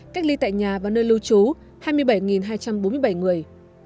cách ly tại nhà và nơi lưu trú hai mươi bảy hai trăm bốn mươi bảy người